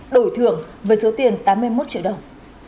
đổi thưởng với số tiền tám mươi một triệu đồng